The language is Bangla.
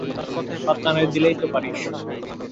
তার কথায় পাত্তা না দিলেই তো পারিস।